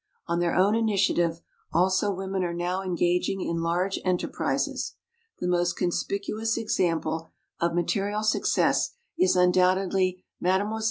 On their own initiative also women are now engaging in large enterprises. The most conspicuous example of material success is undoubtedly Mme.